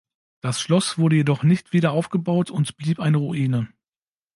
Das Schloss wurde jedoch nicht wieder aufgebaut und blieb eine Ruine.